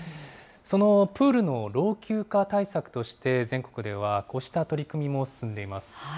そのプールの老朽化対策として、全国ではこうした取り組みも進んでいます。